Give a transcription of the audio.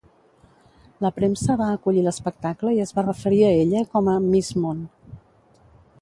La premsa va acollir l'espectacle i es va referir a ella com a "Miss Món".